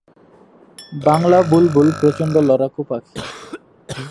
বাংলা বুলবুল প্রচণ্ড লড়াকু পাখি।